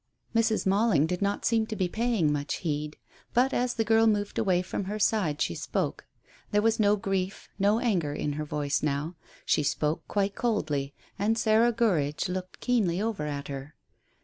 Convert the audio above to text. Mrs. Mailing did not seem to be paying much heed, but, as the girl moved away from her side, she spoke. There was no grief, no anger in her voice now. She spoke quite coldly, and Sarah Gurridge looked keenly over at her.